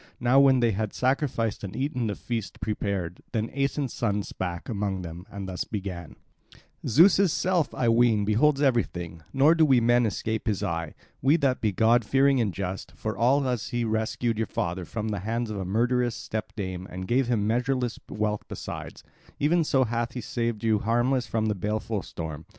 Now when they had sacrificed and eaten the feast prepared, then Aeson's son spake among them and thus began: "Zeus' self, I ween, beholds everything; nor do we men escape his eye, we that be god fearing and just, for as he rescued your father from the hands of a murderous step dame and gave him measureless wealth besides; even so hath he saved you harmless from the baleful storm.